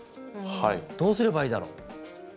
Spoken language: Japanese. どうすればいいだろう。